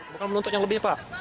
bukan menuntut yang lebih pak